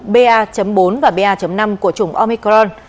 ba bốn và ba năm của chủng omicron